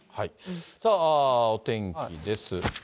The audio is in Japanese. さあ、お天気です。